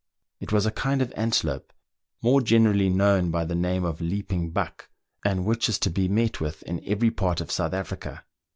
It was a kind of antelope, more generally known by the name of leaping buck," and which is to be met with in every part of South Africa.